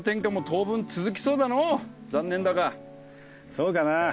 そうかなあ。